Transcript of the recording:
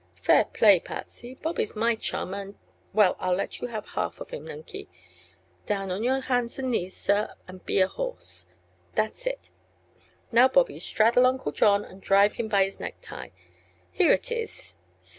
"Fair play, Patsy! Bobby's my chum, and " "Well, I'll let you have half of him, Nunkie. Down on your hands and knees, sir, and be a horse. That's it Now, Bobby, straddle Uncle John and drive him by his necktie here it is.